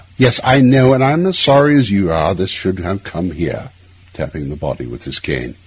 Yes, I know; and I'm as sorry as you are this should have come here,' tapping the body with his cane.